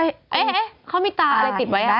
เอ๊ะเขามีตาอะไรติดไว้